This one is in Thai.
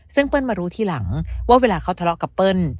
ซึ่งเปิ้ลมารู้ทีหลังว่าเวลาเขาทะเลาะกับเปิ้ล